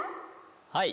はい。